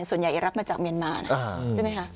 ส่วนใหญ่รับมาจากเมียนมานะใช่ไหมคะ